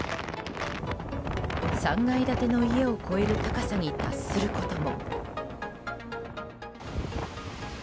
３階建ての家を超える高さに達することも。